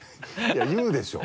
いや言うでしょ。